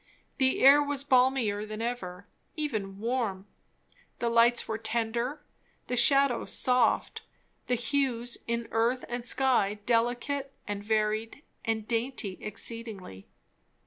The air was balmier than ever, even warm; the lights were tender, the shadows soft; the hues in earth and sky delicate and varied and dainty exceedingly.